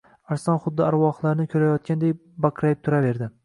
Arslon xuddi arvohlarni ko‘rayotgandek baqrayib turaverdi.